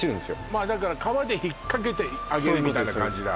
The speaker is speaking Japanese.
まあだから皮で引っかけて上げるみたいな感じだ